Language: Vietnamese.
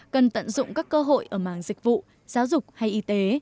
cần tận dụng các cơ hội ở mảng dịch vụ giáo dục hay y tế